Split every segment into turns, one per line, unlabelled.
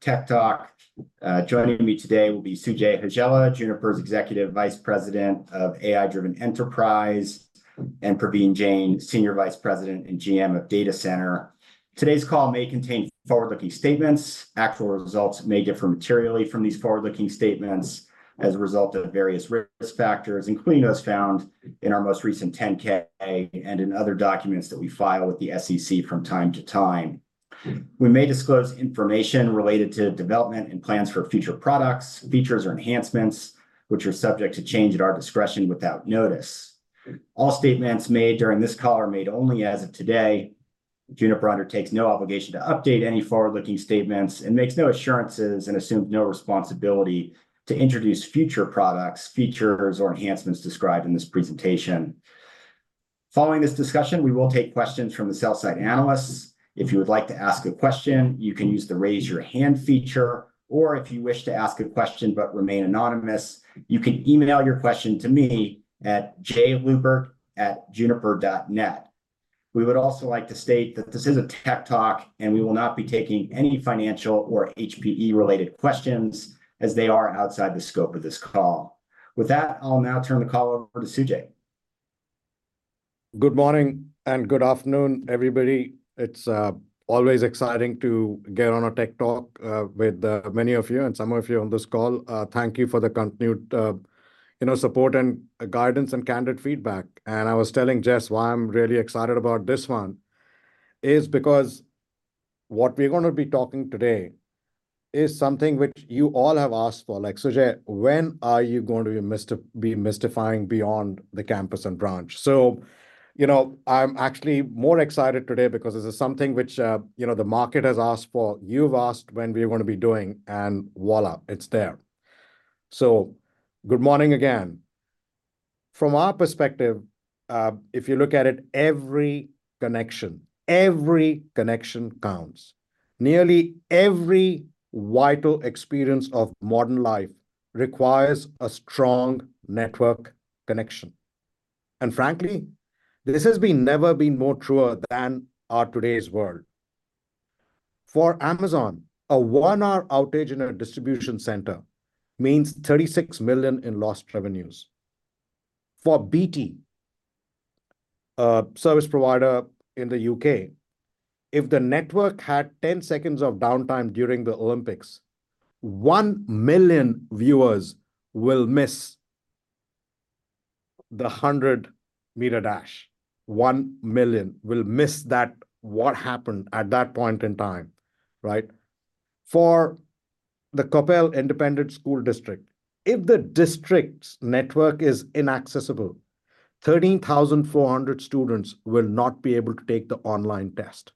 Tech talk. Joining me today will be Sujai Hajela, Juniper's Executive Vice President of AI-Driven Enterprise, and Praveen Jain, Senior Vice President and GM of Data Center. Today's call may contain forward-looking statements. Actual results may differ materially from these forward-looking statements as a result of various risk factors, including those found in our most recent 10-K and in other documents that we file with the SEC from time to time. We may disclose information related to development and plans for future products, features, or enhancements, which are subject to change at our discretion without notice. All statements made during this call are made only as of today. Juniper undertakes no obligation to update any forward-looking statements and makes no assurances and assumes no responsibility to introduce future products, features, or enhancements described in this presentation. Following this discussion, we will take questions from the sell-side analysts. If you would like to ask a question, you can use the raise your hand feature, or if you wish to ask a question but remain anonymous, you can email your question to me at jlubert@juniper.net. We would also like to state that this is a tech talk, and we will not be taking any financial or HPE-related questions as they are outside the scope of this call. With that, I'll now turn the call over to Sujai.
Good morning and good afternoon, everybody. It's always exciting to get on a tech talk with many of you, and some of you on this call. Thank you for the continued support and guidance and candid feedback. I was telling Jess why I'm really excited about this one is because what we're going to be talking today is something which you all have asked for. Like, "Sujai, when are you going to be Mistifying beyond the campus and branch?" You know, I'm actually more excited today because this is something which, you know, the market has asked for. You've asked when we're going to be doing, and voilà, it's there. Good morning again. From our perspective, if you look at it, every connection, every connection counts. Nearly every vital experience of modern life requires a strong network connection. Frankly, this has never been more truer than our today's world. For Amazon, a one-hour outage in a distribution center means $36 million in lost revenues. For BT, a service provider in the U.K., if the network had 10 seconds of downtime during the Olympics, one million viewers will miss the 100-m dash. One million will miss what happened at that point in time, right? For the Coppell Independent School District, if the district's network is inaccessible, 13,400 students will not be able to take the online test.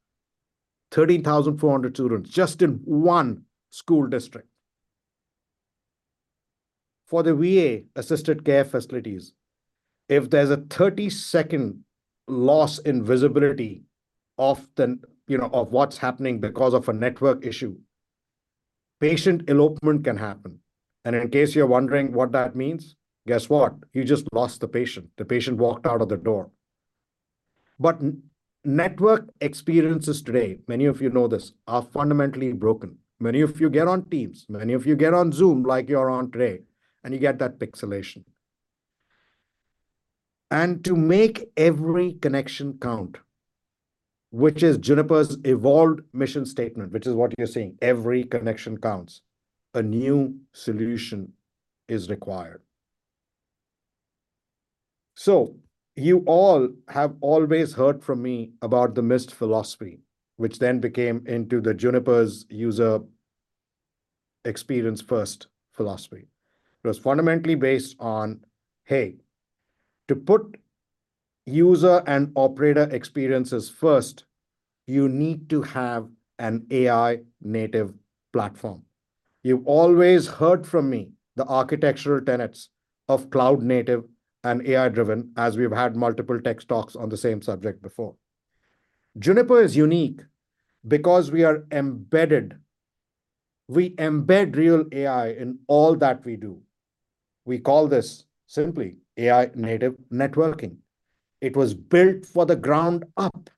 13,400 students just in one school district. For the VA-assisted care facilities, if there's a 30-second loss in visibility of the, you know, of what's happening because of a network issue, patient elopement can happen. And in case you're wondering what that means, guess what? You just lost the patient. The patient walked out of the door. But network experiences today, many of you know this, are fundamentally broken. Many of you get on Teams, many of you get on Zoom like you're on today, and you get that pixelation. And to make every connection count, which is Juniper's evolved mission statement, which is what you're seeing, every connection counts, a new solution is required. So you all have always heard from me about the Mist philosophy, which then became into the Juniper's user experience-first philosophy. It was fundamentally based on, hey, to put user and operator experiences first, you need to have an AI-Native platform. You've always heard from me the architectural tenets of cloud-native and AI-driven, as we've had multiple tech talks on the same subject before. Juniper is unique because we are embedded. We embed real AI in all that we do. We call this simply AI-Native networking. It was built from the ground up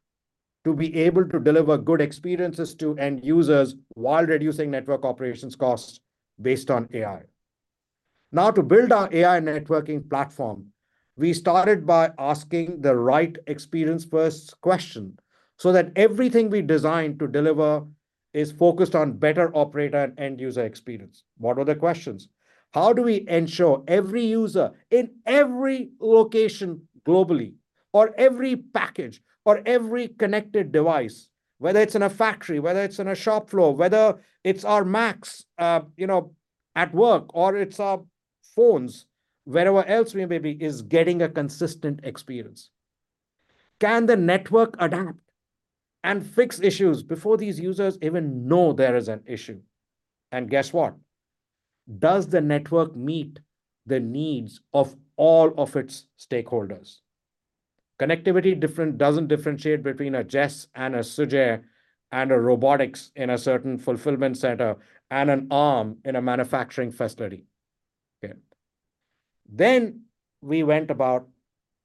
to be able to deliver good experiences to end users while reducing network operations costs based on AI. Now, to build our AI networking platform, we started by asking the right experience-first question so that everything we design to deliver is focused on better operator and end-user experience. What were the questions? How do we ensure every user in every location globally, or every package, or every connected device, whether it's in a factory, whether it's in a shop floor, whether it's our Macs, you know, at work, or it's our phones, wherever else we may be getting a consistent experience? Can the network adapt and fix issues before these users even know there is an issue? And guess what? Does the network meet the needs of all of its stakeholders? Connectivity doesn't differentiate between a Jess and a Sujai and a robotics in a certain fulfillment center and an arm in a manufacturing facility. Okay. Then we went about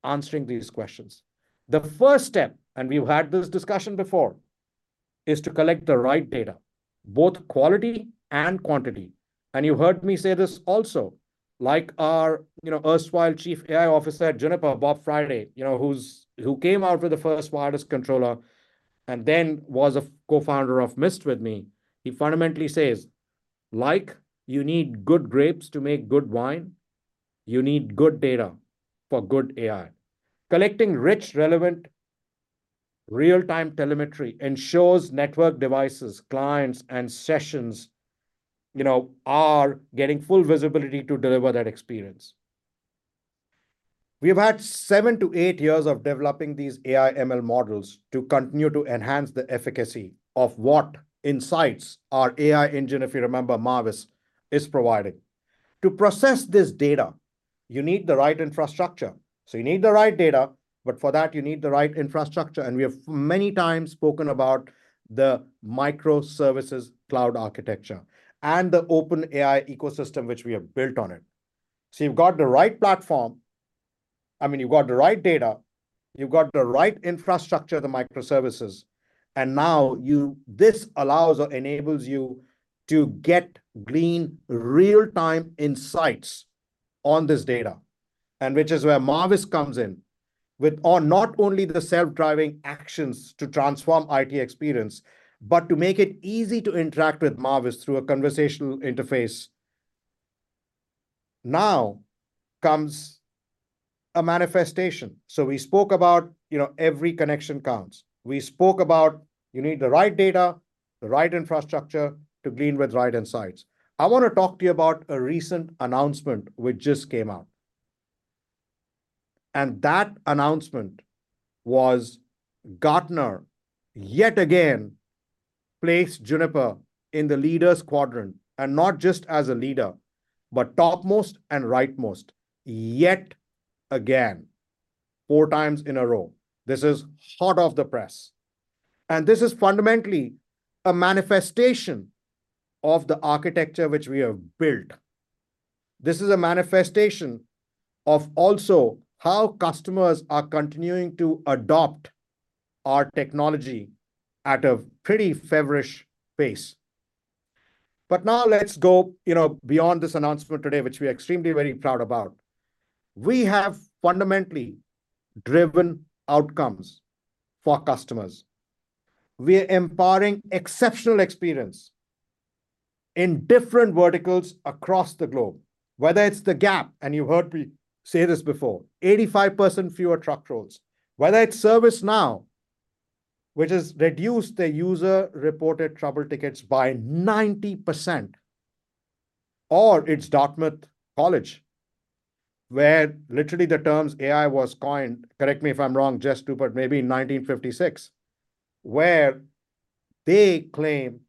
answering these questions. The first step, and we've had this discussion before, is to collect the right data, both quality and quantity. You heard me say this also, like our, you know, erstwhile Chief AI Officer at Juniper, Bob Friday, you know, who came out with the first wireless controller and then was a co-founder of Mist with me. He fundamentally says, like you need good grapes to make good wine, you need good data for good AI. Collecting rich, relevant real-time telemetry ensures network devices, clients, and sessions, you know, are getting full visibility to deliver that experience. We have had seven to eight years of developing these AI/ML models to continue to enhance the efficacy of what insights our AI engine, if you remember, Marvis, is providing. To process this data, you need the right infrastructure. So you need the right data. But for that, you need the right infrastructure. And we have many times spoken about the microservices cloud architecture and the open AI ecosystem, which we have built on it. So you've got the right platform. I mean, you've got the right data. You've got the right infrastructure, the microservices. And now this allows or enables you to get green, real-time insights on this data, and which is where Marvis comes in with not only the self-driving actions to transform IT experience, but to make it easy to interact with Marvis through a conversational interface. Now comes a manifestation. So we spoke about, you know, every connection counts. We spoke about you need the right data, the right infrastructure to glean with right insights. I want to talk to you about a recent announcement which just came out. That announcement was Gartner yet again placed Juniper in the Leaders quadrant and not just as a leader, but topmost and rightmost yet again, four times in a row. This is hot off the press. This is fundamentally a manifestation of the architecture which we have built. This is a manifestation of also how customers are continuing to adopt our technology at a pretty feverish pace. But now let's go, you know, beyond this announcement today, which we are extremely very proud about. We have fundamentally driven outcomes for customers. We are empowering exceptional experience in different verticals across the globe, whether it's the Gap. And you've heard me say this before: 85% fewer truck rolls, whether it's ServiceNow, which has reduced the user-reported trouble tickets by 90%, or it's Dartmouth College, where literally the terms AI was coined, correct me if I'm wrong, Jess Lubert, maybe in 1956, where they claim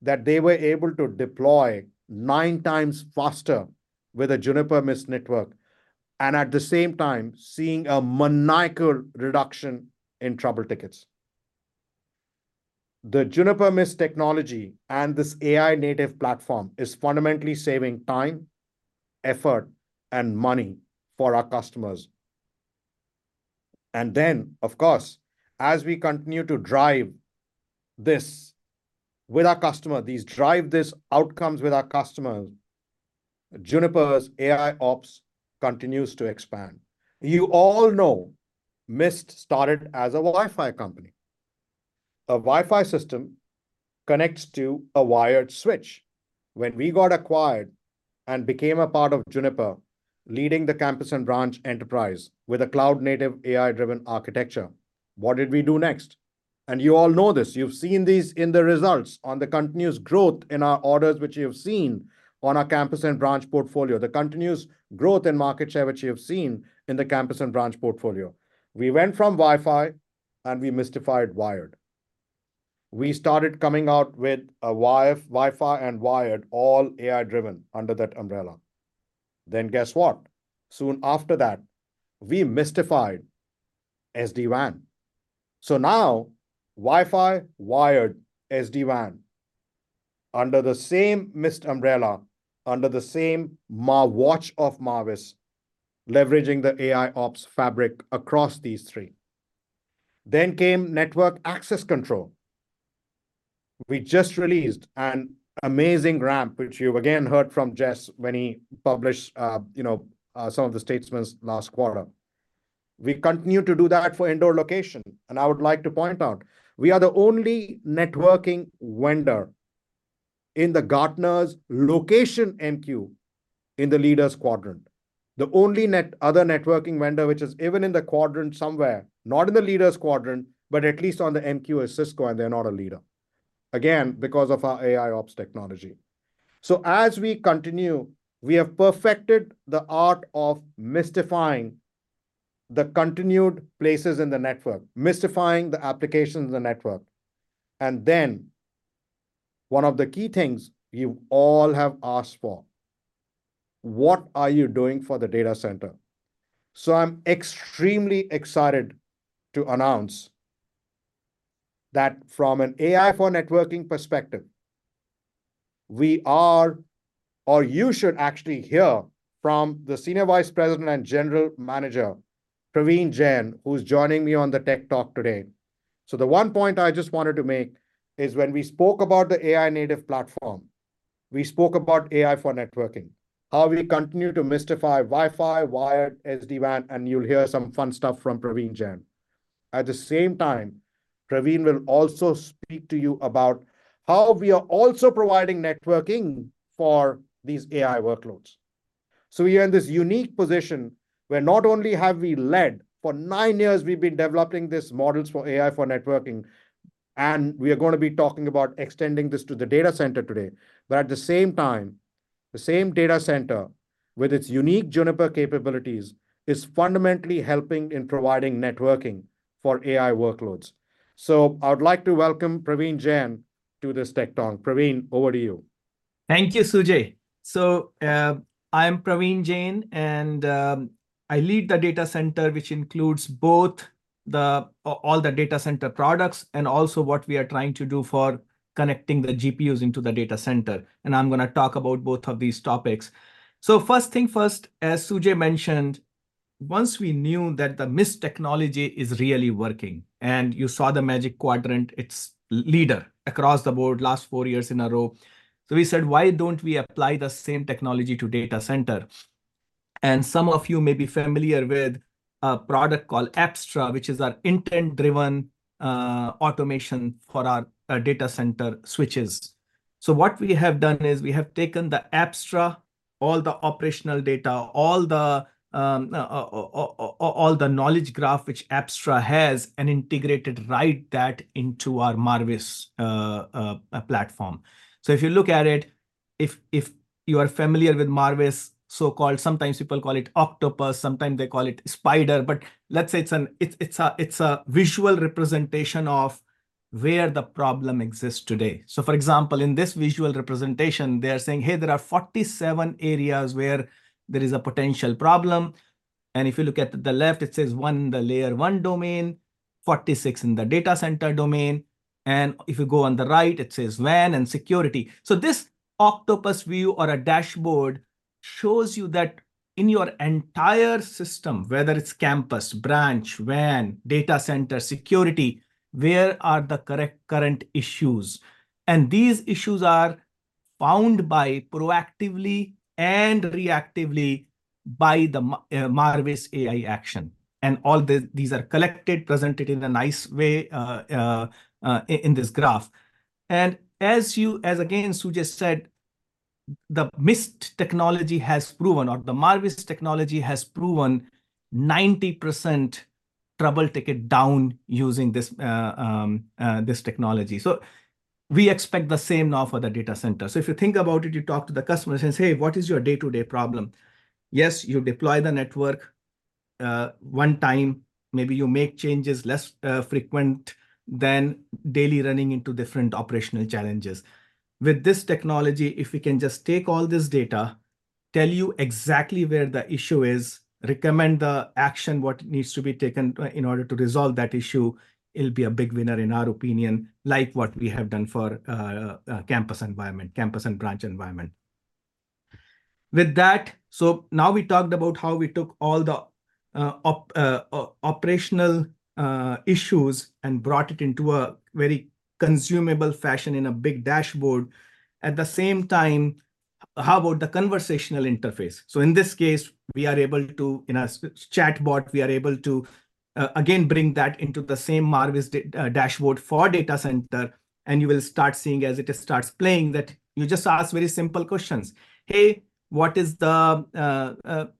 that they were able to deploy nine times faster with a Juniper Mist network and at the same time seeing a maniacal reduction in trouble tickets. The Juniper Mist technology and this AI-Native platform is fundamentally saving time, effort, and money for our customers. And then, of course, as we continue to drive this with our customers, these drive this outcomes with our customers, Juniper's AIOps continues to expand. You all know Mist started as a Wi-Fi company. A Wi-Fi system connects to a wired switch. When we got acquired and became a part of Juniper, leading the campus and branch enterprise with a cloud-native, AI-driven architecture, what did we do next? And you all know this. You've seen these in the results on the continuous growth in our orders, which you have seen on our campus and branch portfolio, the continuous growth in market share, which you have seen in the campus and branch portfolio. We went from Wi-Fi and we Mistified wired. We started coming out with a Wi-Fi and wired, all AI-driven under that umbrella. Then guess what? Soon after that, we Mistified SD-WAN. So now Wi-Fi, wired, SD-WAN under the same Mist umbrella, under the same watch of Marvis, leveraging the AIOps fabric across these three. Then came network access control. We just released an amazing ramp, which you've again heard from Jess when he published, you know, some of the statements last quarter. We continue to do that for indoor location. I would like to point out we are the only networking vendor in Gartner's Location MQ in the leaders quadrant, the only other networking vendor which is even in the quadrant somewhere, not in the leaders quadrant, but at least on the MQ is Cisco, and they're not a leader. Again, because of our AIOps technology. As we continue, we have perfected the art of Mistifying the continued places in the network, Mistifying the applications in the network. Then one of the key things you all have asked for: What are you doing for the data center? So I'm extremely excited to announce that from an AI for networking perspective, we are, or you should actually hear from the Senior Vice President and General Manager, Praveen Jain, who's joining me on the tech talk today. So the one point I just wanted to make is when we spoke about the AI-Native platform, we spoke about AI for networking, how we continue to Mistify Wi-Fi, wired, SD-WAN, and you'll hear some fun stuff from Praveen Jain. At the same time, Praveen will also speak to you about how we are also providing networking for these AI workloads. So we are in this unique position where not only have we led for nine years, we've been developing these models for AI for networking, and we are going to be talking about extending this to the data center today. But at the same time, the same data center with its unique Juniper capabilities is fundamentally helping in providing networking for AI workloads. So I would like to welcome Praveen Jain to this tech talk. Praveen, over to you.
Thank you, Sujai. So, I'm Praveen Jain, and I lead the data center, which includes both all the data center products and also what we are trying to do for connecting the GPUs into the data center. And I'm going to talk about both of these topics. So first thing first, as Sujai mentioned, once we knew that the Mist technology is really working and you saw the Magic Quadrant, its leader across the board last four years in a row, we said, why don't we apply the same technology to the data center? Some of you may be familiar with a product called Apstra, which is our intent-driven automation for our data center switches. So what we have done is we have taken the Apstra, all the operational data, all the knowledge graph which Apstra has and integrated that into our Marvis platform. So if you look at it, if you are familiar with Marvis, so-called, sometimes people call it Octopus, sometimes they call it Spider. But let's say it's a visual representation of where the problem exists today. So, for example, in this visual representation, they are saying, hey, there are 47 areas where there is a potential problem. And if you look at the left, it says one in the Layer 1 domain, 46 in the data center domain. And if you go on the right, it says WAN and security. So this Octopus view or a dashboard shows you that in your entire system, whether it's campus, branch, WAN, data center, security, where are the correct current issues? And these issues are found proactively and reactively by the Marvis AI action. And all these are collected, presented in a nice way, in this graph. And as you—as again, Sujai said, the Mist technology has proven, or the Marvis technology has proven, 90% trouble ticket down using this, this technology. So we expect the same now for the data center. So if you think about it, you talk to the customer and say, hey, what is your day-to-day problem? Yes, you deploy the network, one time. Maybe you make changes less frequent than daily, running into different operational challenges. With this technology, if we can just take all this data, tell you exactly where the issue is, recommend the action, what needs to be taken in order to resolve that issue, it'll be a big winner, in our opinion, like what we have done for campus environment, campus and branch environment. With that, so now we talked about how we took all the operational issues and brought it into a very consumable fashion in a big dashboard. At the same time, how about the conversational interface? So in this case, we are able, in a chatbot, we are able, again, bring that into the same Marvis dashboard for the data center. And you will start seeing as it starts playing that you just ask very simple questions. Hey, what is the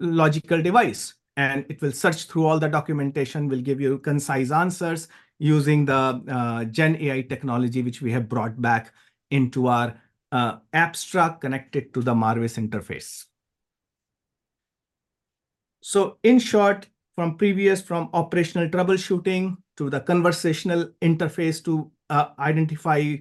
logical device? It will search through all the documentation, will give you concise answers using the Gen AI technology, which we have brought back into our Apstra, connected to the Marvis interface. So in short, from previous, from operational troubleshooting to the conversational interface to identify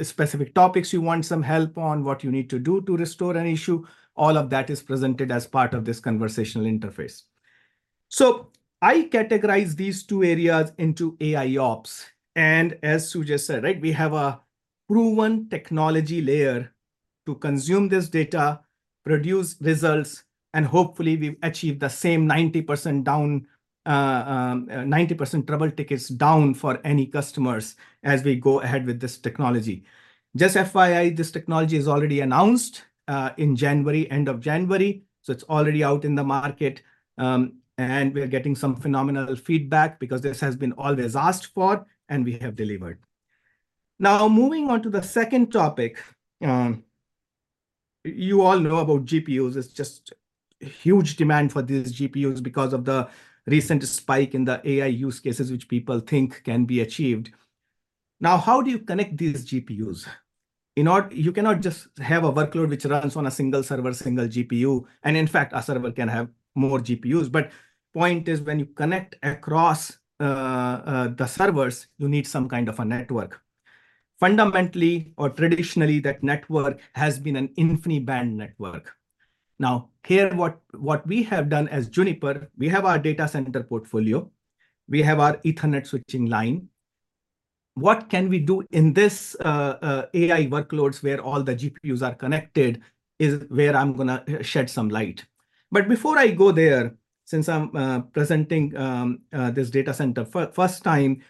specific topics you want some help on, what you need to do to restore an issue, all of that is presented as part of this conversational interface. So I categorize these two areas into AIOps. And as Sujai said, right, we have a proven technology layer to consume this data, produce results, and hopefully we've achieved the same 90% down, 90% trouble tickets down for any customers as we go ahead with this technology. Just FYI, this technology is already announced in January, end of January. So it's already out in the market, and we're getting some phenomenal feedback because this has been always asked for, and we have delivered. Now, moving on to the second topic, you all know about GPUs. It's just huge demand for these GPUs because of the recent spike in the AI use cases, which people think can be achieved. Now, how do you connect these GPUs? You cannot just have a workload which runs on a single server, single GPU. And in fact, a server can have more GPUs. But the point is, when you connect across the servers, you need some kind of a network. Fundamentally or traditionally, that network has been an InfiniBand network. Now, here, what we have done as Juniper, we have our data center portfolio. We have our Ethernet switching line. What can we do in this AI workloads where all the GPUs are connected is where I'm going to shed some light. But before I go there, since I'm presenting this data center for the first time,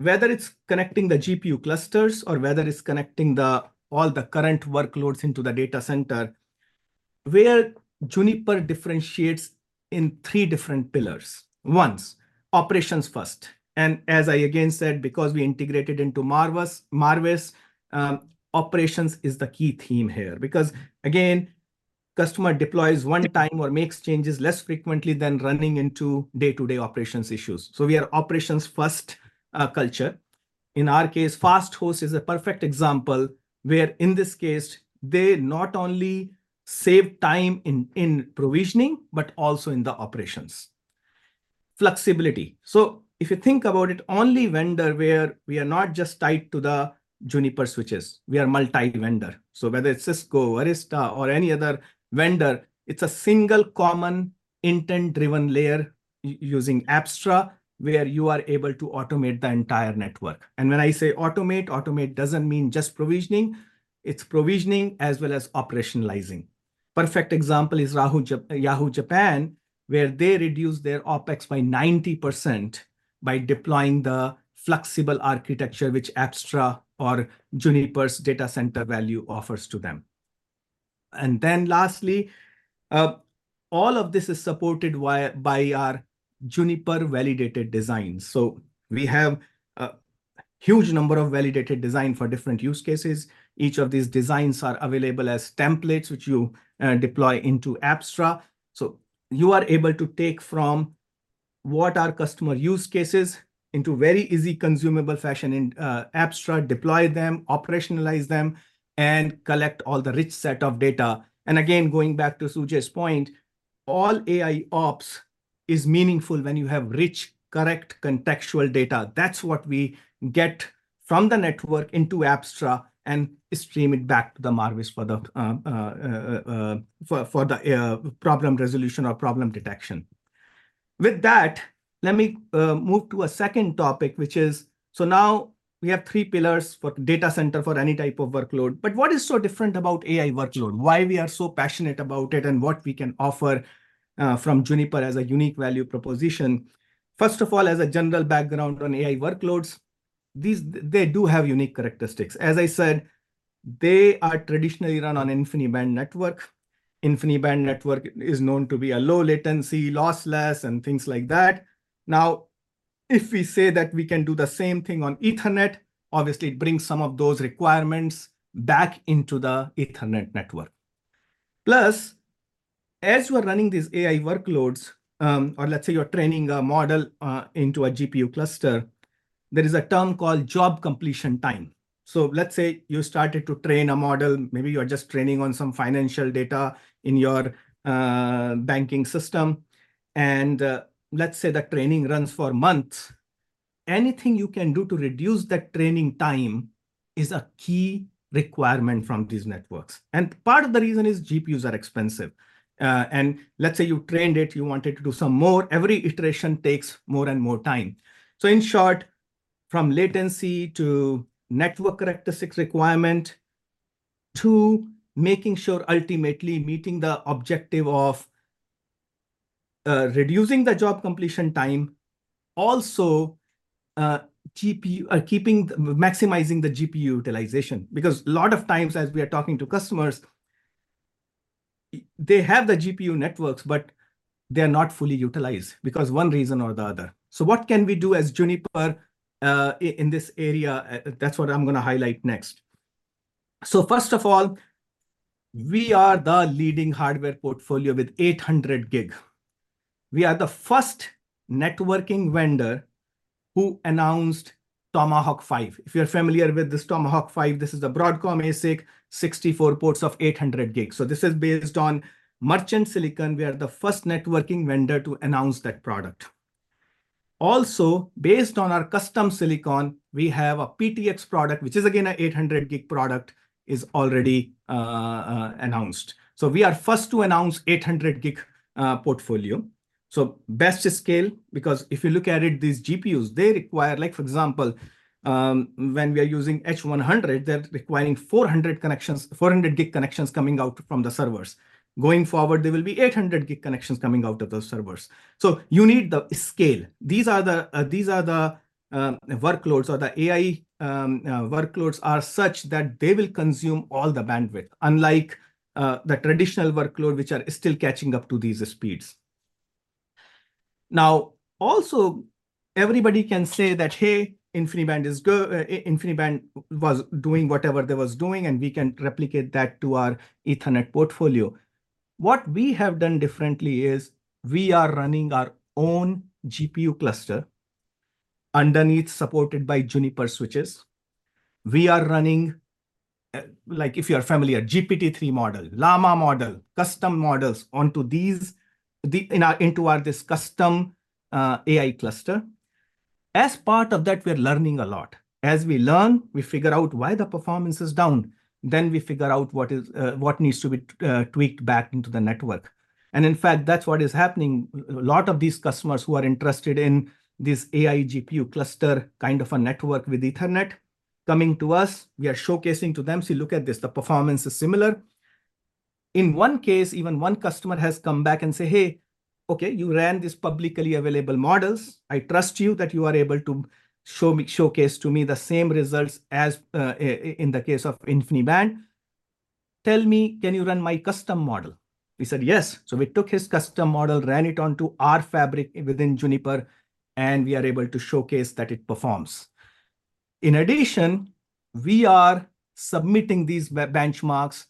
whether it's connecting the GPU clusters or whether it's connecting all the current workloads into the data center, where Juniper differentiates in three different pillars. One, operations first. And as I again said, because we integrated into Marvis, operations is the key theme here. Because again, customer deploys one time or makes changes less frequently than running into day-to-day operations issues. So we are operations first, culture. In our case, Fasthosts is a perfect example where, in this case, they not only save time in provisioning, but also in the operations. Flexibility. So if you think about it, only vendor where we are not just tied to the Juniper switches. We are multi-vendor. So whether it's Cisco, Arista, or any other vendor, it's a single common intent-driven layer using Apstra where you are able to automate the entire network. And when I say automate, automate doesn't mean just provisioning. It's provisioning as well as operationalizing. Perfect example is Yahoo Japan, where they reduced their OpEx by 90% by deploying the flexible architecture which Apstra or Juniper's data center value offers to them. And then lastly, all of this is supported by our Juniper Validated Designs. So we have a huge number of validated designs for different use cases. Each of these designs is available as templates, which you deploy into Apstra. So you are able to take from what are customer use cases into very easy, consumable fashion in Apstra, deploy them, operationalize them, and collect all the rich set of data. And again, going back to Sujai's point, all AIOps is meaningful when you have rich, correct, contextual data. That's what we get from the network into Apstra and stream it back to the Marvis for the problem resolution or problem detection. With that, let me move to a second topic, which is so now we have three pillars for the data center for any type of workload. But what is so different about AI workload? Why are we so passionate about it and what we can offer from Juniper as a unique value proposition? First of all, as a general background on AI workloads, these do have unique characteristics. As I said, they are traditionally run on an InfiniBand network. The InfiniBand network is known to be low latency, lossless, and things like that. Now, if we say that we can do the same thing on Ethernet, obviously, it brings some of those requirements back into the Ethernet network. Plus, as you are running these AI workloads, or let's say you're training a model, into a GPU cluster, there is a term called job completion time. So let's say you started to train a model. Maybe you're just training on some financial data in your banking system. And, let's say the training runs for months. Anything you can do to reduce that training time is a key requirement from these networks. And part of the reason is GPUs are expensive. And let's say you trained it, you wanted to do some more. Every iteration takes more and more time. So in short, from latency to network characteristics requirement to making sure ultimately meeting the objective of reducing the job completion time, also keeping maximizing the GPU utilization. Because a lot of times, as we are talking to customers, they have the GPU networks, but they are not fully utilized because of one reason or the other. So what can we do as Juniper, in this area? That's what I'm going to highlight next. So first of all, we are the leading hardware portfolio with 800G. We are the first networking vendor who announced Tomahawk 5. If you're familiar with this Tomahawk 5, this is the Broadcom ASIC, 64 ports of 800G. So this is based on merchant silicon. We are the first networking vendor to announce that product. Also, based on our custom silicon, we have a PTX product, which is again an 800G product, is already announced. So we are first to announce the 800G portfolio. So best scale, because if you look at it, these GPUs, they require, like, for example, when we are using H100, they're requiring 400 connections, 400G connections coming out from the servers. Going forward, there will be 800G connections coming out of those servers. So you need the scale. These are the workloads or the AI workloads are such that they will consume all the bandwidth, unlike the traditional workloads, which are still catching up to these speeds. Now, also, everybody can say that, hey, InfiniBand is good, InfiniBand was doing whatever they were doing, and we can replicate that to our Ethernet portfolio. What we have done differently is we are running our own GPU cluster underneath, supported by Juniper switches. We are running, like, if you're familiar, GPT-3 model, LLaMA model, custom models onto these into our custom AI cluster. As part of that, we're learning a lot. As we learn, we figure out why the performance is down. Then we figure out what needs to be tweaked back into the network. In fact, that's what is happening. A lot of these customers who are interested in this AI GPU cluster kind of a network with Ethernet coming to us, we are showcasing to them. See, look at this. The performance is similar. In one case, even one customer has come back and said, hey, okay, you ran these publicly available models. I trust you that you are able to show me, showcase to me the same results as, in the case of InfiniBand. Tell me, can you run my custom model? We said, yes. So we took his custom model, ran it onto our fabric within Juniper, and we are able to showcase that it performs. In addition, we are submitting these benchmarks,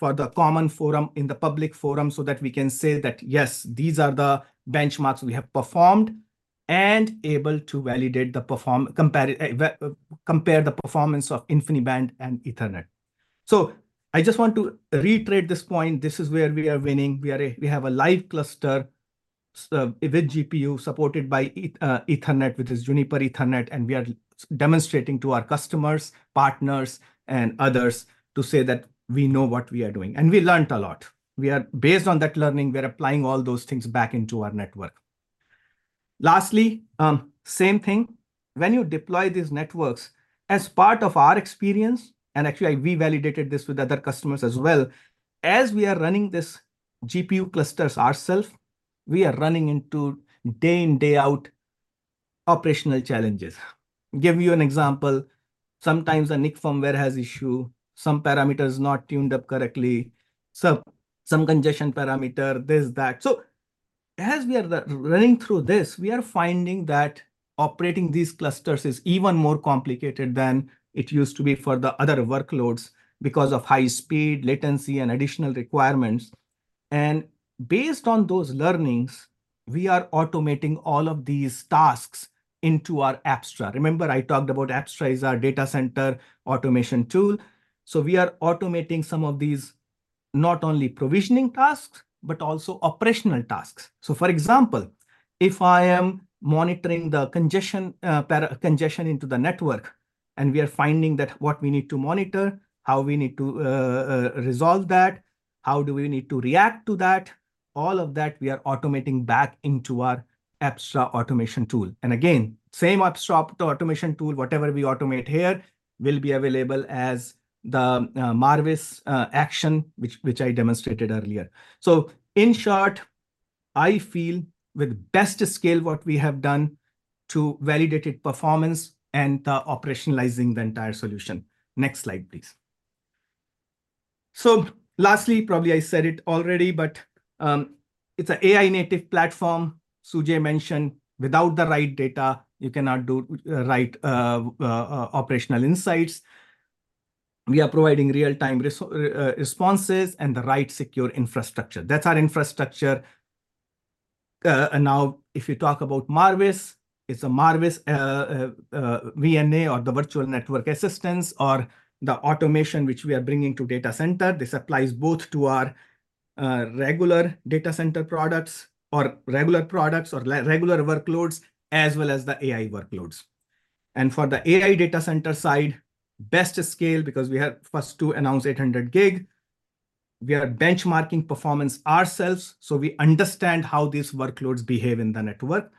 for the common forum, in the public forum, so that we can say that, yes, these are the benchmarks we have performed and able to validate the performance, compare the performance of InfiniBand and Ethernet. So I just want to reiterate this point. This is where we are winning. We have a live cluster, with GPU supported by, Ethernet, which is Juniper Ethernet. And we are demonstrating to our customers, partners, and others to say that we know what we are doing. And we learned a lot. We are based on that learning. We are applying all those things back into our network. Lastly, same thing. When you deploy these networks, as part of our experience, and actually, we validated this with other customers as well, as we are running these GPU clusters ourselves, we are running into day in, day out operational challenges. Give you an example. Sometimes a NIC firmware has an issue. Some parameter is not tuned up correctly. So, some congestion parameter, this, that. So as we are running through this, we are finding that operating these clusters is even more complicated than it used to be for the other workloads because of high speed, latency, and additional requirements. And based on those learnings, we are automating all of these tasks into our Apstra. Remember, I talked about Apstra as our data center automation tool. So we are automating some of these not only provisioning tasks, but also operational tasks. So for example, if I am monitoring the congestion, congestion into the network, and we are finding that what we need to monitor, how we need to resolve that, how do we need to react to that, all of that, we are automating back into our Apstra automation tool. And again, same Apstra automation tool, whatever we automate here will be available as the Marvis action, which I demonstrated earlier. So in short, I feel with best scale what we have done to validate its performance and the operationalizing the entire solution. Next slide, please. So lastly, probably I said it already, but it's an AI-Native platform, Sujai mentioned. Without the right data, you cannot do right operational insights. We are providing real-time responses and the right secure infrastructure. That's our infrastructure. Now, if you talk about Marvis, it's a Marvis, VNA or the virtual network assistant or the automation which we are bringing to the data center. This applies both to our regular data center products or regular products or regular workloads, as well as the AI workloads. And for the AI data center side, best scale, because we have first to announce 800G. We are benchmarking performance ourselves. So we understand how these workloads behave in the network.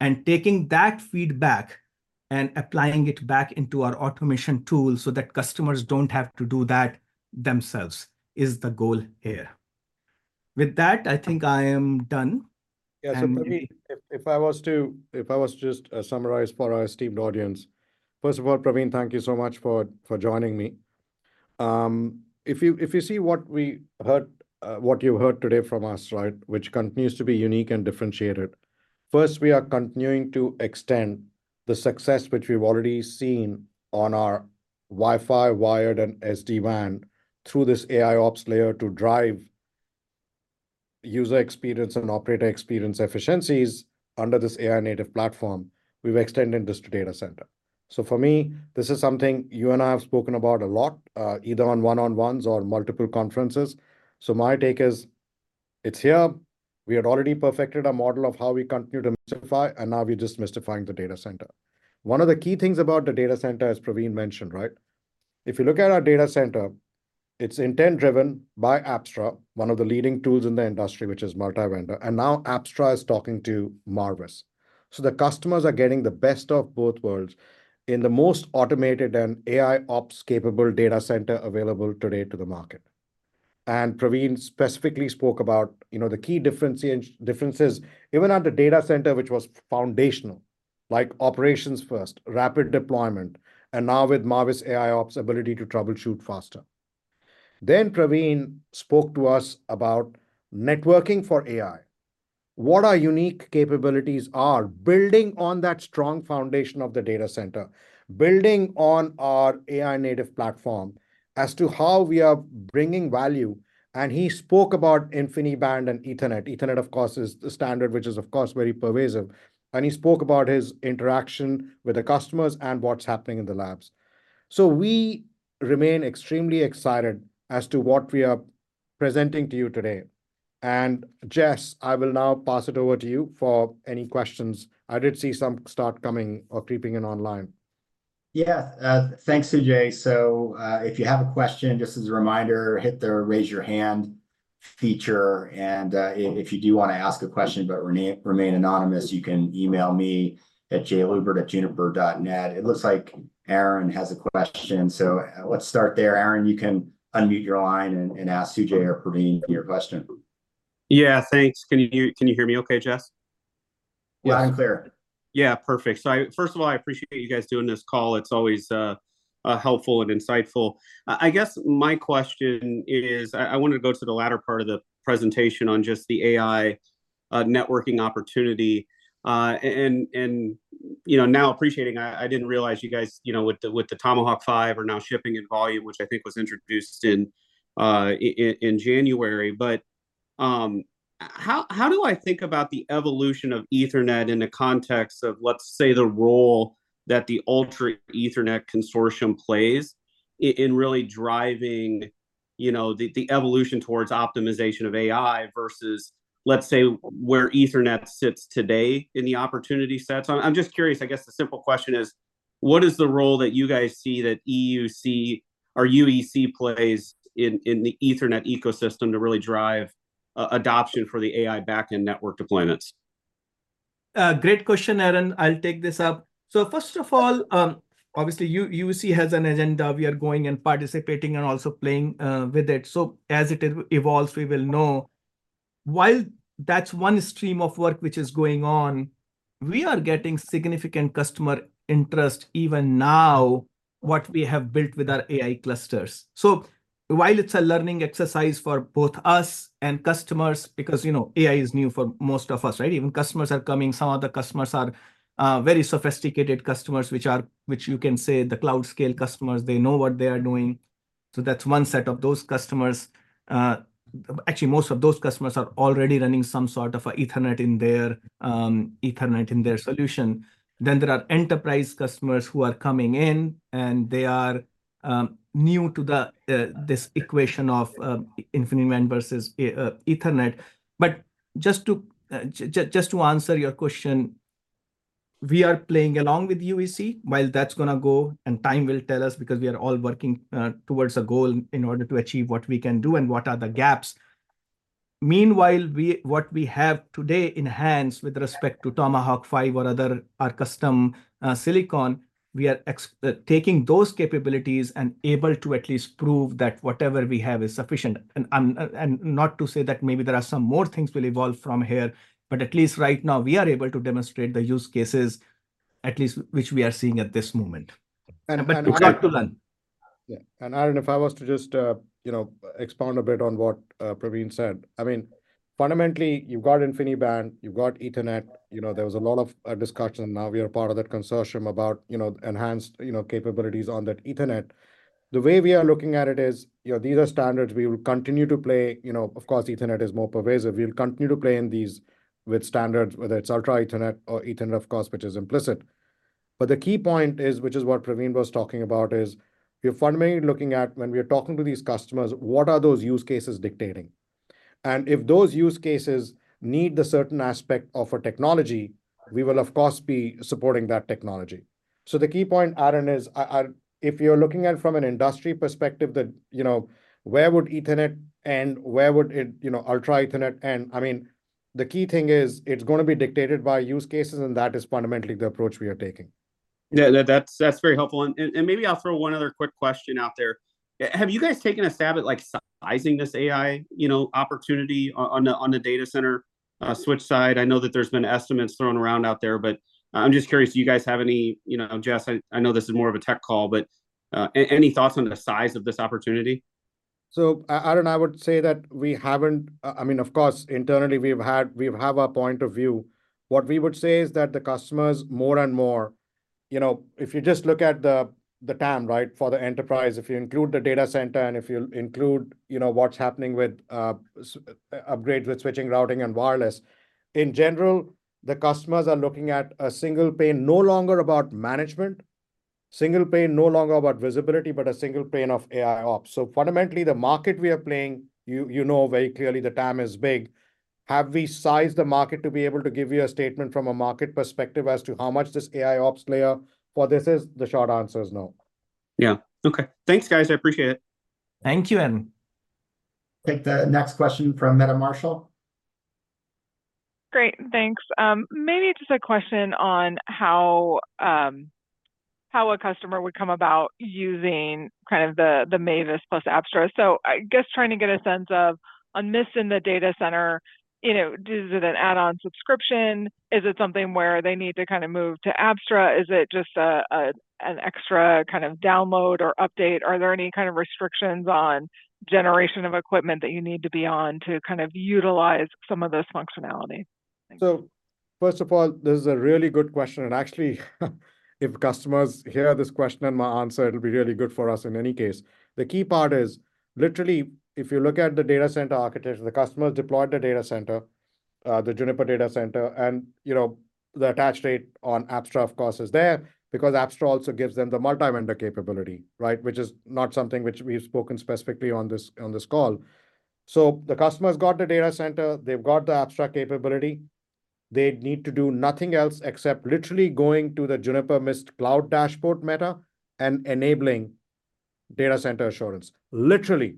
And taking that feedback and applying it back into our automation tool so that customers don't have to do that themselves is the goal here. With that, I think I am done. Yeah.
So Praveen, if I was to just summarize for our esteemed audience, first of all, Praveen, thank you so much for joining me. If you, if you see what we heard, what you heard today from us, right, which continues to be unique and differentiated. First, we are continuing to extend the success which we've already seen on our Wi-Fi, wired, and SD-WAN through this AIOps layer to drive user experience and operator experience efficiencies under this AI-Native platform. We've extended this to the data center. So for me, this is something you and I have spoken about a lot, either on one-on-ones or multiple conferences. So my take is it's here. We had already perfected a model of how we continue to Mistify, and now we're just Mistifying the data center. One of the key things about the data center, as Praveen mentioned, right, if you look at our data center, it's intent-driven by Apstra, one of the leading tools in the industry, which is multi-vendor. And now Apstra is talking to Marvis. So the customers are getting the best of both worlds in the most automated and AIOps capable data center available today to the market. And Praveen specifically spoke about, you know, the key differentiating differences, even at the data center, which was foundational, like operations first, rapid deployment, and now with Marvis AIOps ability to troubleshoot faster. Then Praveen spoke to us about networking for AI, what our unique capabilities are, building on that strong foundation of the data center, building on our AI-Native platform as to how we are bringing value. And he spoke about InfiniBand and Ethernet. Ethernet, of course, is the standard, which is, of course, very pervasive. And he spoke about his interaction with the customers and what's happening in the labs. So we remain extremely excited as to what we are presenting to you today. And Jess, I will now pass it over to you for any questions. I did see some start coming or creeping in online.
Yes. Thanks, Sujai. So if you have a question, just as a reminder, hit the raise your hand feature. And if you do want to ask a question but remain anonymous, you can email me at jlubert@juniper.net. It looks like Aaron has a question. So let's start there. Aaron, you can unmute your line and ask Sujai or Praveen your question.
Yeah, thanks. Can you hear me okay, Jess?
Yeah, clear.
Yeah, perfect. So I, first of all, I appreciate you guys doing this call. It's always helpful and insightful. I guess my question is, I wanted to go to the latter part of the presentation on just the AI networking opportunity. You know, now appreciating, I didn't realize you guys, you know, with the Tomahawk 5 are now shipping in volume, which I think was introduced in January. But, how do I think about the evolution of Ethernet in the context of, let's say, the role that the Ultra Ethernet Consortium plays in really driving, you know, the evolution towards optimization of AI versus, let's say, where Ethernet sits today in the opportunity sets? I'm just curious. I guess the simple question is, what is the role that you guys see that UEC plays in the Ethernet ecosystem to really drive adoption for the AI backend network deployments?
Great question, Aaron. I'll take this up. So first of all, obviously, UEC has an agenda. We are going and participating and also playing with it. So as it evolves, we will know. While that's one stream of work which is going on, we are getting significant customer interest even now, what we have built with our AI clusters. So while it's a learning exercise for both us and customers, because, you know, AI is new for most of us, right? Even customers are coming. Some of the customers are very sophisticated customers, which are, which you can say, the cloud-scale customers. They know what they are doing. So that's one set of those customers. Actually, most of those customers are already running some sort of an Ethernet in their, Ethernet in their solution. Then there are enterprise customers who are coming in, and they are, new to this equation of, InfiniBand versus, Ethernet. But just to, just to answer your question, we are playing along with UEC while that's going to go, and time will tell us because we are all working towards a goal in order to achieve what we can do and what are the gaps. Meanwhile, what we have today in hands with respect to Tomahawk 5 or other our custom silicon, we are taking those capabilities and able to at least prove that whatever we have is sufficient. And I'm, and not to say that maybe there are some more things will evolve from here, but at least right now, we are able to demonstrate the use cases, at least which we are seeing at this moment. And we've got to learn.
Yeah. And Aaron, if I was to just, you know, expound a bit on what Praveen said, I mean, fundamentally, you've got InfiniBand. You've got Ethernet. You know, there was a lot of discussion, and now we are part of that consortium about, you know, enhanced, you know, capabilities on that Ethernet. The way we are looking at it is, you know, these are standards we will continue to play. You know, of course, Ethernet is more pervasive. We'll continue to play in these with standards, whether it's Ultra Ethernet or Ethernet, of course, which is implicit. But the key point is, which is what Praveen was talking about, is we are fundamentally looking at when we are talking to these customers, what are those use cases dictating? And if those use cases need the certain aspect of a technology, we will, of course, be supporting that technology. So the key point, Aaron, is, if you're looking at it from an industry perspective, that, you know, where would Ethernet end? Where would it, you know, Ultra Ethernet end? I mean, the key thing is it's going to be dictated by use cases, and that is fundamentally the approach we are taking.
Yeah, that's that's very helpful. And maybe I'll throw one other quick question out there. Have you guys taken a stab at like sizing this AI, you know, opportunity on the data center switch side? I know that there's been estimates thrown around out there, but I'm just curious, do you guys have any, you know, Jess, I know this is more of a tech call, but any thoughts on the size of this opportunity?
So Aaron, I would say that we haven't, I mean, of course, internally, we have our point of view. What we would say is that the customers more and more, you know, if you just look at the TAM, right, for the enterprise, if you include the data center and if you include, you know, what's happening with upgrades with switching, routing, and wireless, in general, the customers are looking at a single pane, no longer about management, single pane, no longer about visibility, but a single pane of AIOps. So fundamentally, the market we are playing, you know very clearly, the TAM is big. Have we sized the market to be able to give you a statement from a market perspective as to how much this AIOps layer for this is? The short answer is no.
Yeah. Okay. Thanks, guys. I appreciate it.
Thank you, Aaron.
Take the next question from Meta Marshall.
Great. Thanks. Maybe just a question on how a customer would come about using kind of the Marvis plus Apstra. So I guess trying to get a sense of, on this in the data center, you know, is it an add-on subscription? Is it something where they need to kind of move to Apstra? Is it just an extra kind of download or update? Are there any kind of restrictions on generation of equipment that you need to be on to kind of utilize some of this functionality? Thank you.
So first of all, this is a really good question. Actually, if customers hear this question and my answer, it'll be really good for us in any case. The key part is literally, if you look at the data center architecture, the customers deployed the data center, the Juniper data center, and you know, the attach rate on Apstra, of course, is there because Apstra also gives them the multi-vendor capability, right, which is not something which we've spoken specifically on this on this call. So the customer's got the data center. They've got the Apstra capability. They need to do nothing else except literally going to the Juniper Mist Cloud dashboard, Meta, and enabling data center assurance. Literally,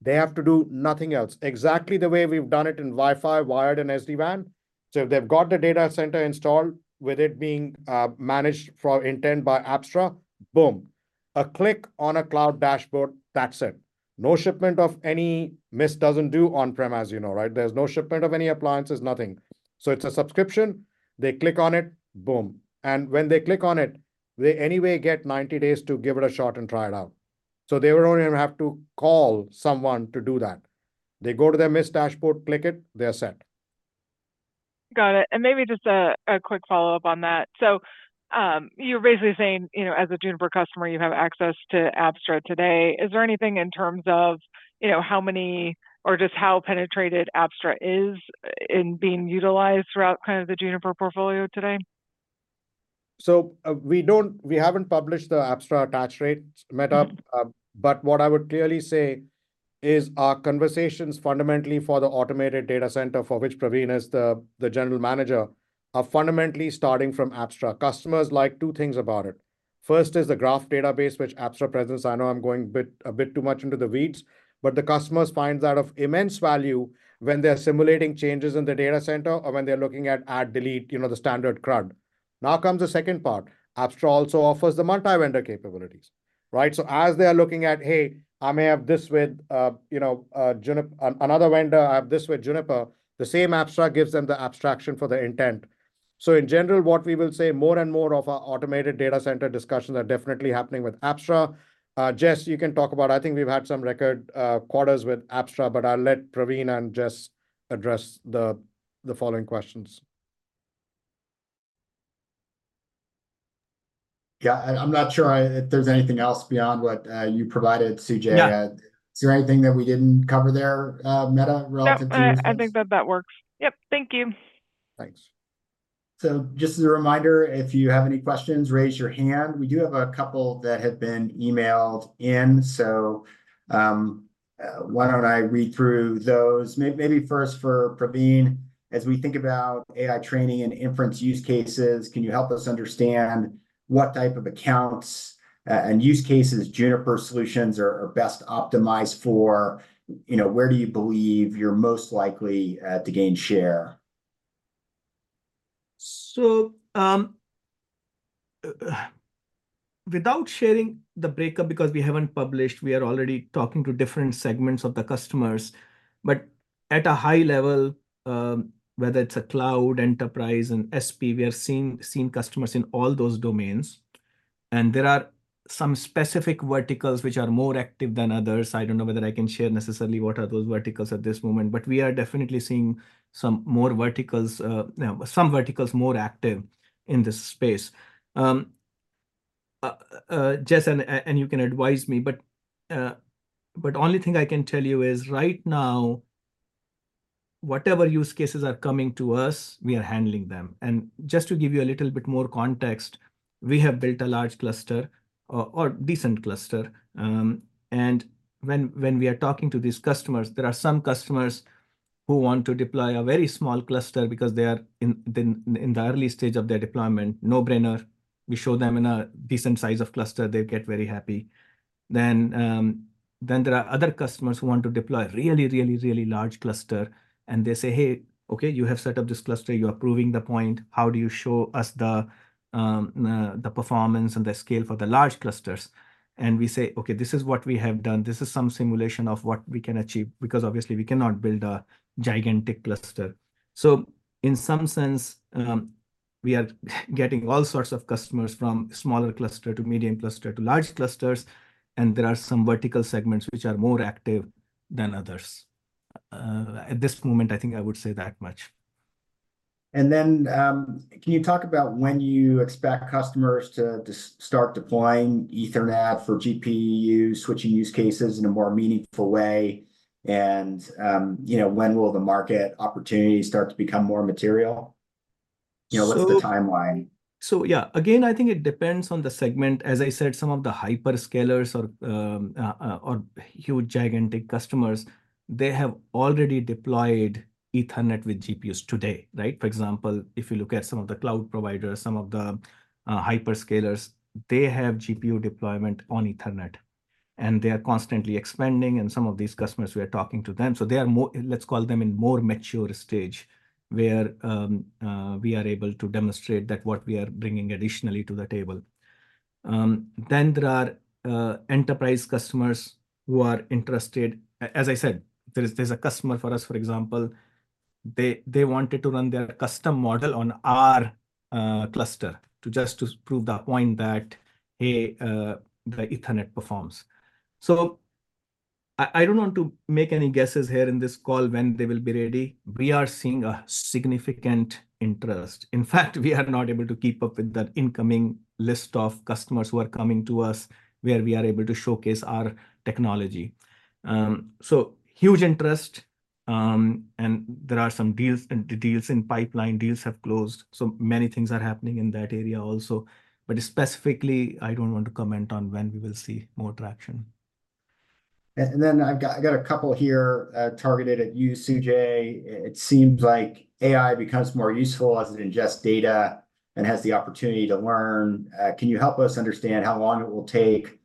they have to do nothing else. Exactly the way we've done it in Wi-Fi, wired, and SD-WAN. So if they've got the data center installed with it being managed for intent by Apstra, boom, a click on a cloud dashboard, that's it. No shipment of any. Mist doesn't do on-prem, as you know, right? There's no shipment of any appliances, nothing. So it's a subscription. They click on it, boom. And when they click on it, they anyway get 90 days to give it a shot and try it out. So they would only have to call someone to do that. They go to their Mist dashboard, click it, they're set.
Got it. And maybe just a quick follow-up on that. So you're basically saying, you know, as a Juniper customer, you have access to Apstra today. Is there anything in terms of, you know, how many or just how penetrated Apstra is in being utilized throughout kind of the Juniper portfolio today?
So we haven't published the Apstra attach rate metric, but what I would clearly say is our conversations fundamentally for the automated data center, for which Praveen is the General Manager, are fundamentally starting from Apstra. Customers like two things about it. First is the graph database, which Apstra presence, I know I'm going a bit too much into the weeds, but the customers find that of immense value when they're simulating changes in the data center or when they're looking at add, delete, you know, the standard CRUD. Now comes the second part. Apstra also offers the multi-vendor capabilities, right? So as they are looking at, hey, I may have this with, you know, another vendor, I have this with Juniper, the same Apstra gives them the abstraction for the intent. So in general, what we will say, more and more of our automated data center discussions are definitely happening with Apstra. Jess, you can talk about, I think we've had some record quarters with Apstra, but I'll let Praveen and Jess address the following questions.
Yeah, I'm not sure if there's anything else beyond what you provided, Sujai. Is there anything that we didn't cover there, Meta, relative to?
I think that that works. Yep. Thank you.
Thanks.
So just as a reminder, if you have any questions, raise your hand. We do have a couple that have been emailed in. So why don't I read through those? Maybe first for Praveen, as we think about AI training and inference use cases, can you help us understand what type of accounts and use cases Juniper solutions are best optimized for? You know, where do you believe you're most likely to gain share?
So without sharing the breakup because we haven't published, we are already talking to different segments of the customers. But at a high level, whether it's a cloud, enterprise, and SP, we are seeing customers in all those domains. There are some specific verticals which are more active than others. I don't know whether I can share necessarily what are those verticals at this moment, but we are definitely seeing some more verticals, some verticals more active in this space. Jess, and you can advise me, but the only thing I can tell you is right now, whatever use cases are coming to us, we are handling them. And just to give you a little bit more context, we have built a large cluster or decent cluster. And when we are talking to these customers, there are some customers who want to deploy a very small cluster because they are in the early stage of their deployment, no-brainer. We show them in a decent size of cluster. They get very happy. Then there are other customers who want to deploy a really, really, really large cluster. And they say, hey, okay, you have set up this cluster. You are proving the point. How do you show us the performance and the scale for the large clusters? And we say, okay, this is what we have done. This is some simulation of what we can achieve because obviously, we cannot build a gigantic cluster. So in some sense, we are getting all sorts of customers from smaller cluster to medium cluster to large clusters. And there are some vertical segments which are more active than others. At this moment, I think I would say that much.
And then can you talk about when you expect customers to start deploying Ethernet for GPU switching use cases in a more meaningful way? You know, when will the market opportunities start to become more material? You know, what is the timeline?
So yeah, again, I think it depends on the segment. As I said, some of the hyperscalers or huge gigantic customers, they have already deployed Ethernet with GPUs today, right? For example, if you look at some of the cloud providers, some of the hyperscalers, they have GPU deployment on Ethernet. And they are constantly expanding. And some of these customers, we are talking to them. So they are more, let's call them in a more mature stage where we are able to demonstrate that what we are bringing additionally to the table. Then there are enterprise customers who are interested. As I said, there's a customer for us, for example, they wanted to run their custom model on our cluster to just prove the point that, hey, the Ethernet performs. So I don't want to make any guesses here in this call when they will be ready. We are seeing a significant interest. In fact, we are not able to keep up with the incoming list of customers who are coming to us where we are able to showcase our technology. So huge interest. And there are some deals and deals in pipeline. Deals have closed. So many things are happening in that area also. But specifically, I don't want to comment on when we will see more traction.
And then I've got a couple here targeted at you, Sujai. It seems like AI becomes more useful as it ingests data and has the opportunity to learn. Can you help us understand how long it will take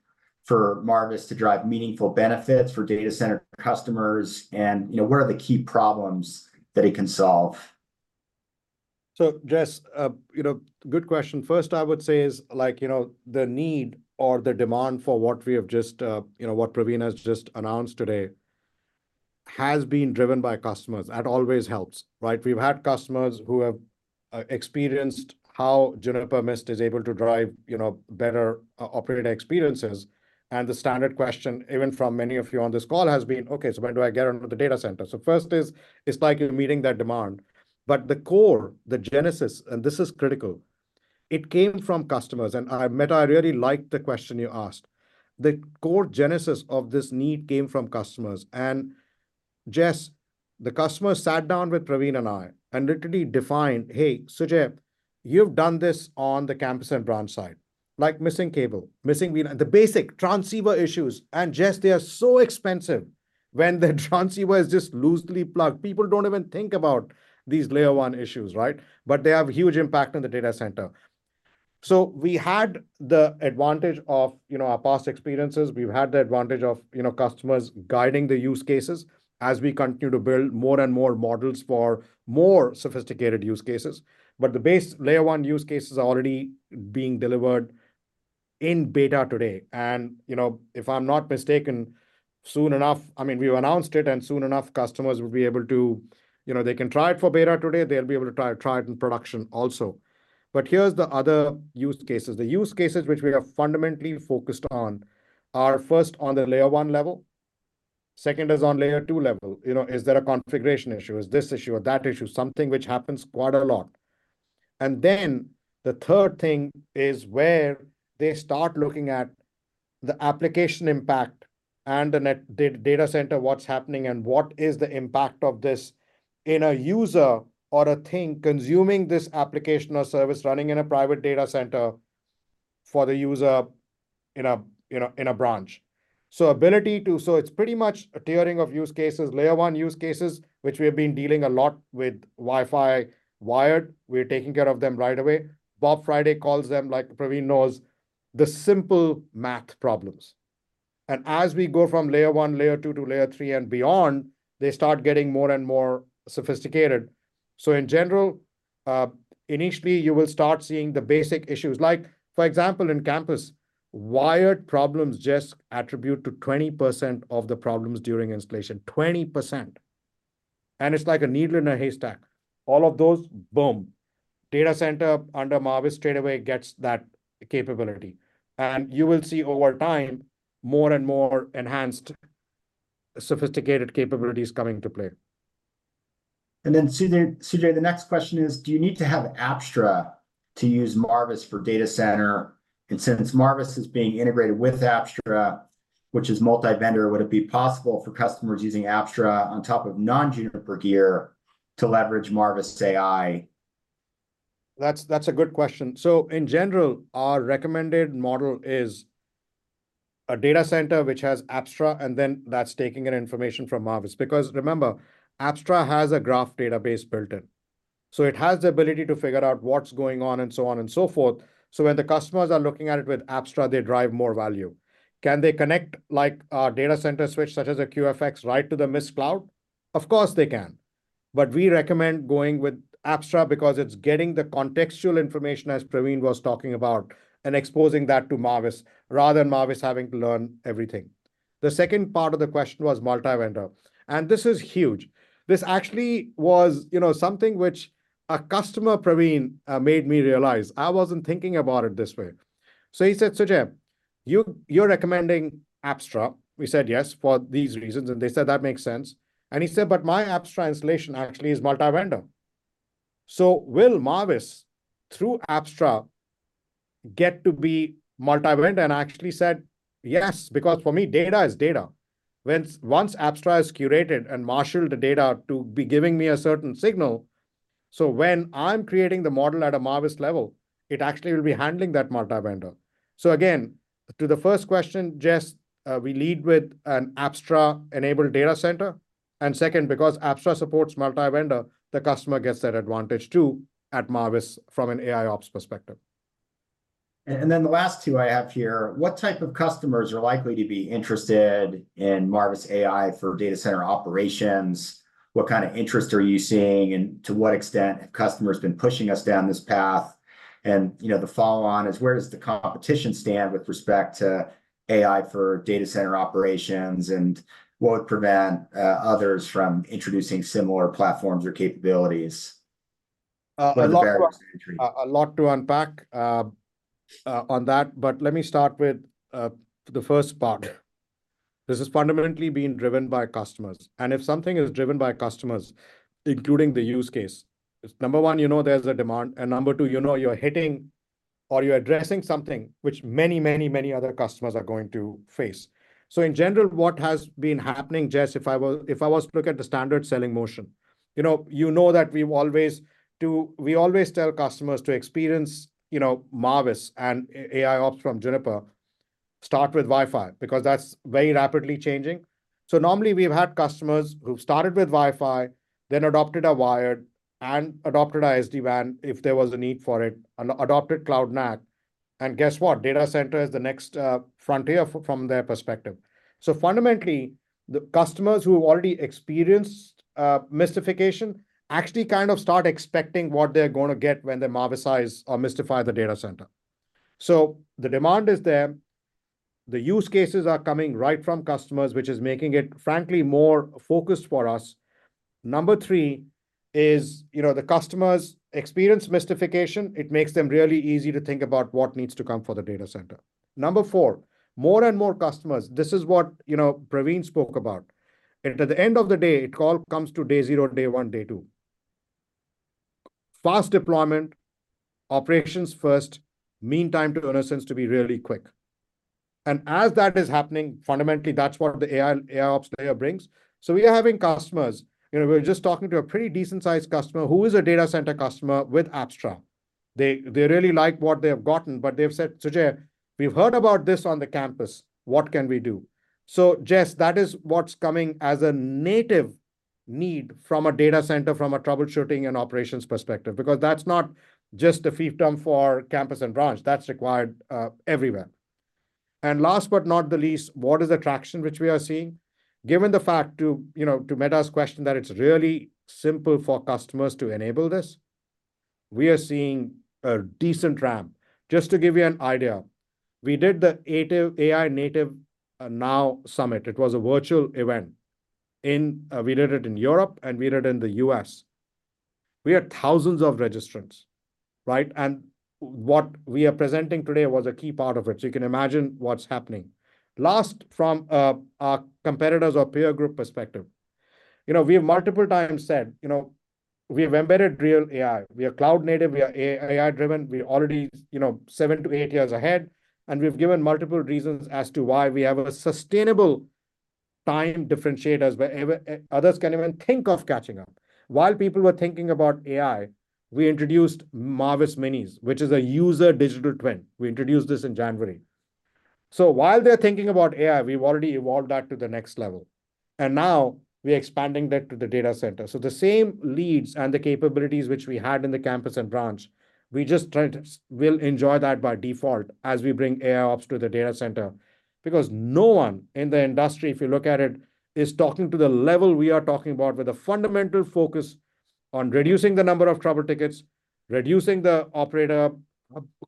for Marvis to drive meaningful benefits for data center customers? And, you know, what are the key problems that it can solve?
So, Jess, you know, good question. First, I would say is like, you know, the need or the demand for what we have just, you know, what Praveen has just announced today has been driven by customers. That always helps, right? We've had customers who have experienced how Juniper Mist is able to drive, you know, better operator experiences. And the standard question, even from many of you on this call, has been, okay, so when do I get onto the data center? So first is it's like you're meeting that demand. But the core, the genesis, and this is critical, it came from customers. And Meta, I really liked the question you asked. The core genesis of this need came from customers. And Jess, the customer sat down with Praveen and I and literally defined, hey, Sujai, you've done this on the campus and branch side, like missing cable, missing the basic transceiver issues. And Jess, they are so expensive when the transceiver is just loosely plugged. People don't even think about these Layer 1 issues, right? But they have huge impact on the data center. So we had the advantage of, you know our past experiences. We've had the advantage of, you know customers guiding the use cases as we continue to build more and more models for more sophisticated use cases. But the base Layer 1 use cases are already being delivered in beta today. And you know if I'm not mistaken, soon enough, I mean, we've announced it and soon enough customers will be able to, you know they can try it for beta today. They'll be able to try it, try it in production also. But here's the other use cases, the use cases which we are fundamentally focused on are first on the Layer 1 level. Second is on Layer 2 level. You know is there a configuration issue? Is this issue or that issue? Something which happens quite a lot. And then the third thing is where they start looking at the application impact and the net data center, what's happening and what is the impact of this in a user or a thing consuming this application or service running in a private data center for the user in a, you know in a branch. So ability to, so it's pretty much a tiering of use cases, Layer 1 use cases, which we have been dealing a lot with Wi-Fi, wired. We're taking care of them right away. Bob Friday calls them, like Praveen knows, the simple math problems. As we go from Layer 1, Layer 2 to Layer 3 and beyond, they start getting more and more sophisticated. In general, initially, you will start seeing the basic issues, like for example, in campus, wired problems just attribute to 20% of the problems during installation, 20%. It's like a needle in a haystack. All of those, boom, data center under Marvis straight away gets that capability. You will see over time more and more enhanced sophisticated capabilities coming to play.
Then Sujai, the next question is, do you need to have Apstra to use Marvis for Data Center? Since Marvis is being integrated with Apstra, which is multi-vendor, would it be possible for customers using Apstra on top of non-Juniper gear to leverage Marvis AI?
That's a good question. In general, our recommended model is a data center which has Apstra, and then that's taking in information from Marvis. Because remember, Apstra has a graph database built in. So it has the ability to figure out what's going on and so on and so forth. When the customers are looking at it with Apstra, they drive more value. Can they connect like a data center switch such as a QFX right to the Mist Cloud? Of course they can. We recommend going with Apstra because it's getting the contextual information as Praveen was talking about and exposing that to Marvis rather than Marvis having to learn everything. The second part of the question was multi-vendor. This is huge. This actually was, you know, something which a customer, Praveen, made me realize I wasn't thinking about it this way. He said, Sujai, you're recommending Apstra. We said yes for these reasons. They said, that makes sense. He said, but my Apstra installation actually is multi-vendor. So will Marvis through Apstra get to be multi-vendor? I actually said yes, because for me, data is data. Once Apstra is curated and marshalled the data to be giving me a certain signal. So when I'm creating the model at a Marvis level, it actually will be handling that multi-vendor. So again, to the first question, Jess, we lead with an Apstra-enabled data center. Second, because Apstra supports multi-vendor, the customer gets that advantage too at Marvis from an AIOps perspective.
And then the last two I have here, what type of customers are likely to be interested in Marvis AI for data center operations? What kind of interest are you seeing and to what extent have customers been pushing us down this path? And you know the follow-on is, where does the competition stand with respect to AI for data center operations and what would prevent others from introducing similar platforms or capabilities?
A lot to unpack on that. But let me start with the first part. This has fundamentally been driven by customers. And if something is driven by customers, including the use case, number one, you know there's a demand. And number two, you know you're hitting or you're addressing something which many, many, many other customers are going to face. So in general, what has been happening, Jess, if I was to look at the standard selling motion, you know you know that we've always tell customers to experience you know Marvis and AIOps from Juniper, start with Wi-Fi because that's very rapidly changing. So normally, we've had customers who've started with Wi-Fi, then adopted a wired and adopted an SD-WAN if there was a need for it, adopted cloud NAC. And guess what? Data center is the next frontier from their perspective. So fundamentally, the customers who have already experienced Mistification actually kind of start expecting what they're going to get when they Marvis-ize or Mistify the data center. So the demand is there. The use cases are coming right from customers, which is making it frankly more focused for us. Number three is you know the customers experience Mistification. It makes them really easy to think about what needs to come for the data center. Number four, more and more customers. This is what you know Praveen spoke about. At the end of the day, it all comes to day zero, day one, day two. Fast deployment, operations first, Mean Time to Innocence to be really quick. And as that is happening, fundamentally, that's what the AIOps layer brings. So we are having customers. You know we're just talking to a pretty decent-sized customer who is a data center customer with Apstra. They they really like what they have gotten. But they've said, Sujai, we've heard about this on the campus. What can we do? So Jess, that is what's coming as a native need from a data center, from a troubleshooting and operations perspective, because that's not just a fiefdom for campus and branch. That's required everywhere. And last but not the least, what is the traction which we are seeing? Given the fact to you know to Meta's question that it's really simple for customers to enable this, we are seeing a decent ramp. Just to give you an idea, we did the AI-Native Now Summit. It was a virtual event. We did it in Europe and we did it in the U.S. We had thousands of registrants, right? And what we are presenting today was a key part of it. So you can imagine what's happening. Last, from our competitors or peer group perspective, you know we have multiple times said, you know we have embedded real AI. We are cloud native. We are AI driven. We are already you know seven to eight years ahead. We've given multiple reasons as to why we have a sustainable time differentiator as wherever others can even think of catching up. While people were thinking about AI, we introduced Marvis Minis, which is a user digital twin. We introduced this in January. So while they're thinking about AI, we've already evolved that to the next level. And now we're expanding that to the data center. So the same leads and the capabilities which we had in the campus and branch, we just try to will enjoy that by default as we bring AIOps to the data center because no one in the industry, if you look at it, is talking to the level we are talking about with a fundamental focus on reducing the number of trouble tickets, reducing the operator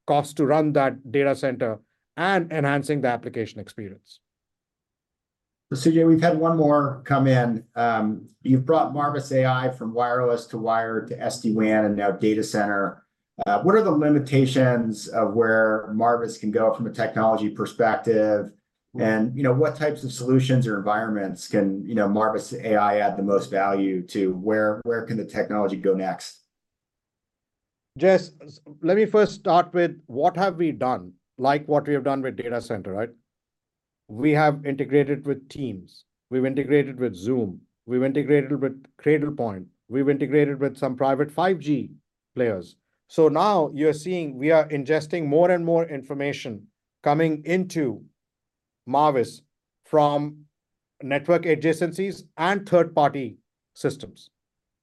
cost to run that data center, and enhancing the application experience.
Sujai, we've had one more come in. You've brought Marvis AI from wireless to wired to SD-WAN and now data center. What are the limitations of where Marvis can go from a technology perspective? You know what types of solutions or environments can you know Marvis AI add the most value to? Where can the technology go next?
Jess, let me first start with what have we done like what we have done with data center, right? We have integrated with Teams. We've integrated with Zoom. We've integrated with Cradlepoint. We've integrated with some private 5G players. So now you're seeing we are ingesting more and more information coming into Marvis from network adjacencies and third-party systems,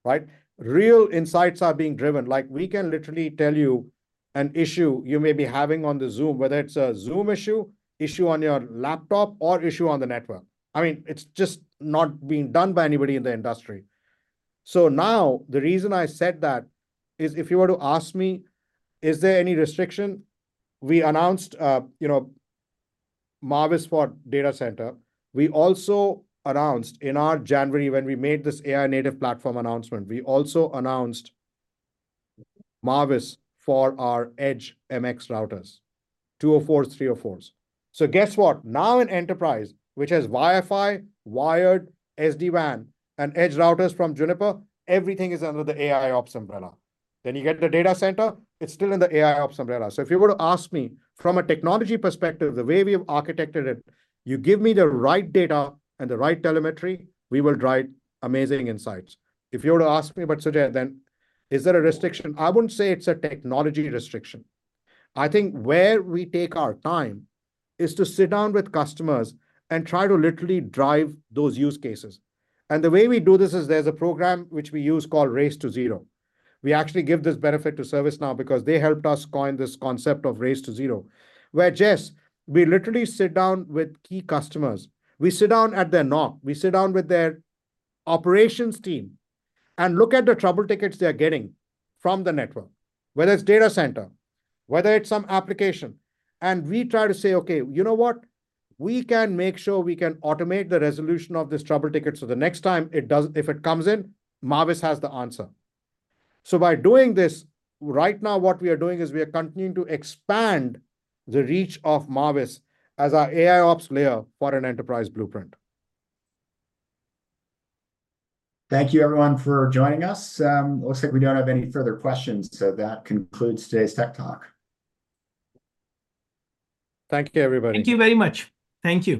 right? Real insights are being driven. Like we can literally tell you an issue you may be having on the Zoom, whether it's a Zoom issue, issue on your laptop, or issue on the network. I mean, it's just not being done by anybody in the industry. So now the reason I said that is if you were to ask me, is there any restriction? We announced you know Marvis for data center. We also announced in our January, when we made this AI-native platform announcement, we also announced Marvis for our Edge MX routers, 204s, 304s. So guess what? Now an enterprise which has Wi-Fi, wired, SD-WAN, and Edge routers from Juniper, everything is under the AIOps umbrella. Then you get the data center. It's still in the AIOps umbrella. So if you were to ask me from a technology perspective, the way we have architected it, you give me the right data and the right telemetry, we will drive amazing insights. If you were to ask me, but Sujai, then is there a restriction? I wouldn't say it's a technology restriction. I think where we take our time is to sit down with customers and try to literally drive those use cases. And the way we do this is there's a program which we use called Race to Zero. We actually give this benefit to ServiceNow because they helped us coin this concept of Race to Zero, where Jess, we literally sit down with key customers. We sit down at their NOC. We sit down with their operations team and look at the trouble tickets they're getting from the network, whether it's data center, whether it's some application. And we try to say, okay, you know what? We can make sure we can automate the resolution of this trouble ticket. So the next time it does, if it comes in, Marvis has the answer. So by doing this right now, what we are doing is we are continuing to expand the reach of Marvis as our AIOps layer for an enterprise blueprint.
Thank you, everyone, for joining us. It looks like we don't have any further questions. So that concludes today's tech talk.
Thank you, everybody.
Thank you very much. Thank you.